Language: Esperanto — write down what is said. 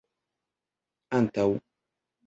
antaŭ